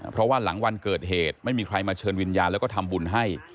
เพราะว่าหลังวันเกิดเหตุไม่มีใครมาเชิญวิญญาณแล้วก็ทำบุญให้